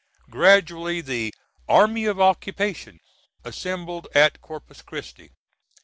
Gradually the "Army of Occupation" assembled at Corpus Christi.